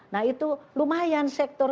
nah itu lumayan sektor